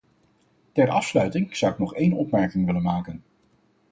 Ter afsluiting zou ik nog één opmerking willen maken.